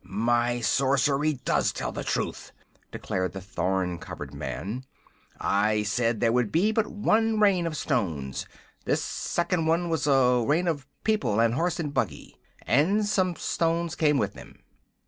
"My sorcery does tell the truth!" declared the thorn covered man. "I said there would be but one Rain of Stones. This second one was a Rain of People and Horse and Buggy. And some stones came with them."